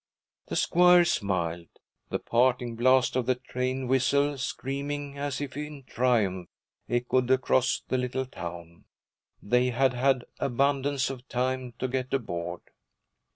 The squire smiled. The parting blast of the train whistle, screaming as if in triumph, echoed across the little town. They had had abundance of time to get aboard.